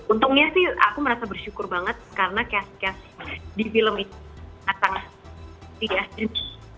untungnya sih aku merasa bersyukur banget karena cast cast di film itu sangat sihat